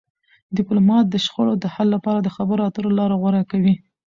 ډيپلومات د شخړو د حل لپاره د خبرو اترو لار غوره کوي.